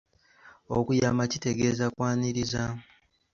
Okuyama kitegeeza kwaniriza.